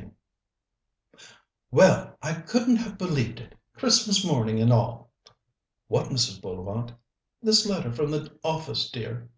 XVI "Well, I couldn't have believed it Christmas morning and all!" "What, Mrs. Bullivant?" "This letter from the office, dear."